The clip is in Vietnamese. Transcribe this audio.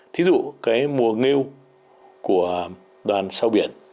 thí dụ mùa nghêu của đoàn sao biển